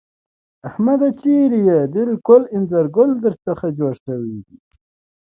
احمده! چېرې يې؟ بالکل د اينځر ګل در څخه جوړ شوی دی.